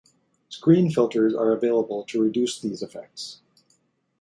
Screen filters are available to reduce these effects.